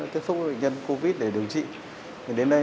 con khỏe với tất cả